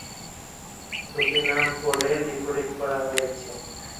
দুটি নাম পরে বিপরীত করা হয়েছে।